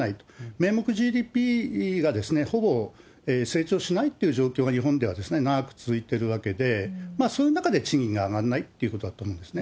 名目ＧＤＰがほぼ成長しないっていう状況が、日本では長く続いているわけで、その中で賃金が上がらないっていうことだと思うんですね。